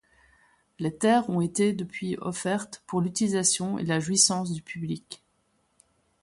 Les terres ont depuis été offertes pour l'utilisation et la jouissance du public.